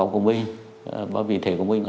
của mình và vì thế của mình